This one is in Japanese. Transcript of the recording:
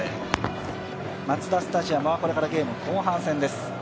マツダスタジアムはこれからゲーム後半戦です。